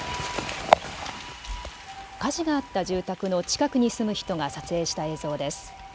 火事があった住宅の近くに住む人が撮影した映像です。